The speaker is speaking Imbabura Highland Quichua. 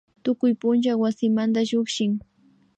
Tukuy punlla wasimanda llukshin